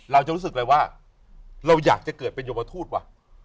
เราจะรู้สึกเลยว่าเราอยากจะเกิดเป็นยมทูตว่ะ